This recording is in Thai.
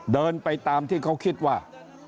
เดินไปตามที่เขาคิดว่า